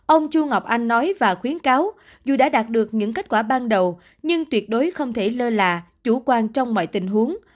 ông chu ngọc anh nói và khuyến cáo dù đã đạt được những kết quả ban đầu nhưng tuyệt đối không thể lơ là chủ quan trong mọi tình huống